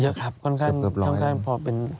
เยอะครับค่อนข้างพอเป็น